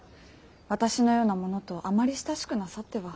私のような者とあまり親しくなさっては。